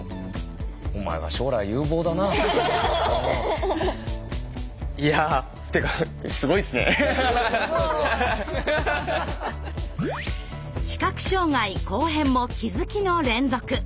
お前は視覚障害後編も気づきの連続。